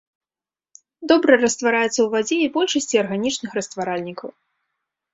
Добра раствараецца ў вадзе і большасці арганічных растваральнікаў.